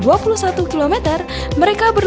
mereka berdua berdua berjalan ke kawasan surabaya barat